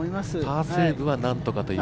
パーセーブはなんとかという。